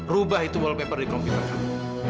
rubah itu wallpaper di komputer kamu